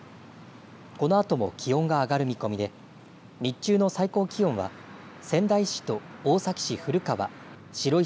このあとも気温が上がる見込みで日中の最高気温は仙台市と大崎市古川白石